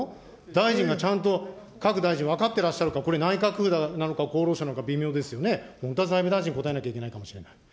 大臣がちゃんと、各大臣、分かってらっしゃるか、これ内閣府なのか厚労省なのか微妙ですよね、本当は財務大臣、答えなきゃいけないかもしれない。